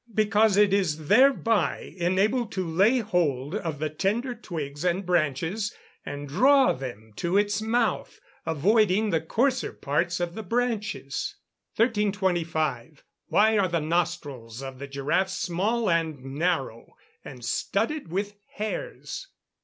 _ Because it is thereby enabled to lay hold of the tender twigs and branches, and draw them into its mouth, avoiding the coarser parts of the branches. 1325. _Why are the nostrils of the giraffe small and narrow, and studded with hairs?